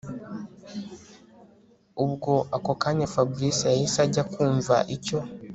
Ubwo ako kanya Fabric yahise ajya kumva icyo